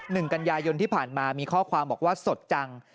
หนึ่งกันยายนที่ผ่านมามีข้อความบอกว่าสดจัง